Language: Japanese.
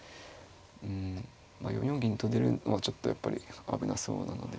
うんまあ４四銀と出るのはちょっとやっぱり危なそうなので。